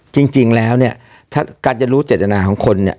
จริงแล้วการจะรู้เจตนาของคน